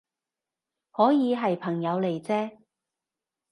可以係朋友嚟啫